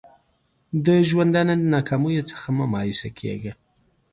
د ژوندانه د ناکامیو څخه مه مایوسه کېږه!